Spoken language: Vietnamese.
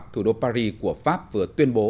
thủ đô paris của pháp vừa tuyên bố